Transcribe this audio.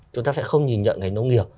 chúng ta sẽ không nhìn nhận ngành nông nghiệp